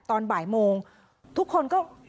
ตอนบ่ายโมงทุกคนก็